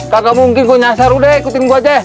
kagak mungkin gua nyasar udah ikutin gua aja